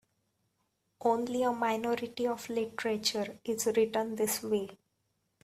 Only a minority of literature is written this way.